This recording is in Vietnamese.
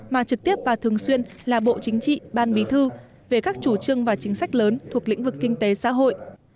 mà trực tiếp và thường xuyên là bộ chính trị ban bí thư về các chủ trương và chính sách lớn thuộc lĩnh vực kinh tế xã hội